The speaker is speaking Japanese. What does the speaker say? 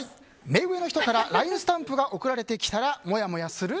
目上の人からＬＩＮＥスタンプが送られてきたらもやもやする？